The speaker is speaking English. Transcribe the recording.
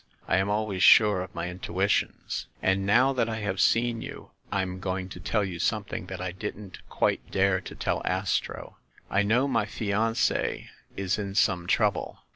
I am always sure of my intuitions. And, now that I have seen you, I'm going to tell you something that I didn't quite dare to tell Astro. I know my fiance is in some trouble.